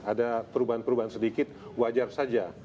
ada perubahan perubahan sedikit wajar saja